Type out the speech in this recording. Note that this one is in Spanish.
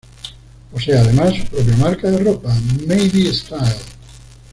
Posee además su propia marca de ropa, Maddie Style.